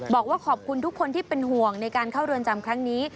บอกว่าขอบคุณทุกคนที่เป็นห่วงในการเข้าเรือนจำครั้งนี้